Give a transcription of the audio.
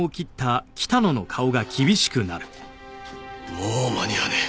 もう間に合わねえ。